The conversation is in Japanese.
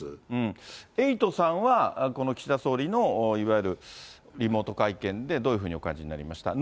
エイトさんは、この岸田総理の、いわゆるリモート会見で、どういうふうにお感じになりましたか？